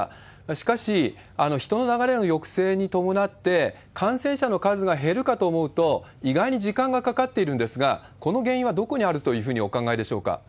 しかし、人の流れの抑制に伴って感染者の数が減るかと思うと、意外に時間がかかっているんですが、この原因はどこにあるというふうにお考えでしょうか？